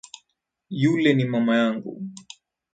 Yule ni mama yangu